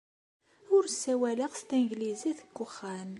Ur ssawaleɣ s tanglizit deg wexxam.